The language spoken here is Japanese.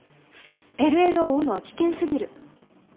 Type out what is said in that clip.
ＬＬを追うのは危険すぎる。